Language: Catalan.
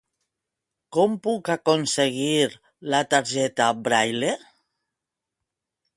Com puc aconseguir la targeta Braile?